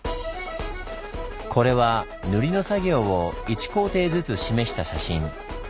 これは「塗り」の作業を１工程ずつ示した写真。